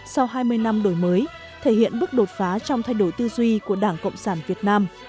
sau hai mươi năm đổi mới thể hiện bước đột phá trong thay đổi tư duy của đảng cộng sản việt nam